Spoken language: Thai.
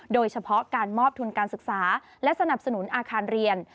โดยเฉพาะการมอบทุนการศึกษาและสนับสนุนอาคารเรียน